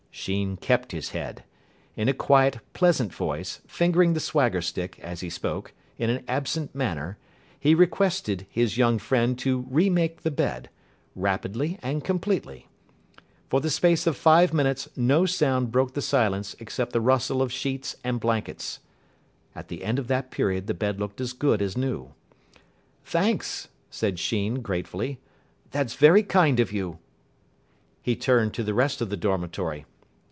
Sheen kept his head. In a quiet, pleasant voice, fingering the swagger stick, as he spoke, in an absent manner, he requested his young friend to re make the bed rapidly and completely. For the space of five minutes no sound broke the silence except the rustle of sheets and blankets. At the end of that period the bed looked as good as new. "Thanks," said Sheen gratefully. "That's very kind of you." He turned to the rest of the dormitory.